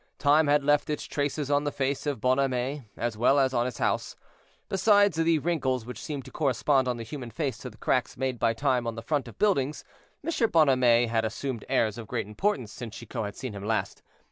Time had left its traces on the face of Bonhomet, as well as on his house. Besides the wrinkles which seem to correspond on the human face to the cracks made by time on the front of buildings, M. Bonhomet had assumed airs of great importance since Chicot had seen him last.